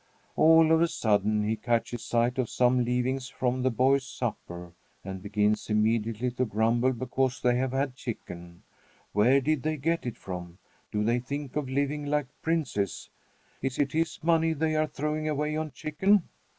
All of a sudden he catches sight of some leavings from the boys' supper, and begins immediately to grumble because they have had chicken. Where did they get it from? Do they think of living like princes? Is it his money they are throwing away on chicken?